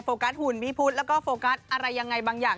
กัสหุ่นพี่พุทธแล้วก็โฟกัสอะไรยังไงบางอย่าง